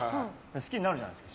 好きになるじゃないですか。